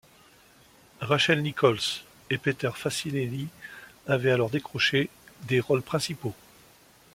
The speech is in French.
Rachel Nichols et Peter Facinelli avaient alors décroché des rôles principaux.